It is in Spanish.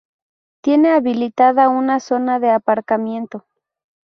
Tiene habilitada una zona de aparcamiento.